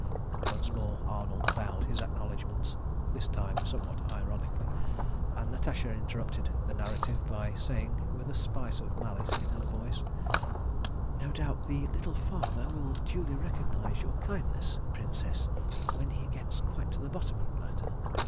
Once more Arnold bowed his acknowledgments this time somewhat ironically, and Natasha interrupted the narrative by saying with a spice of malice in her voice "No doubt the Little Father will duly recognise your kindness, Princess, when he gets quite to the bottom of the matter."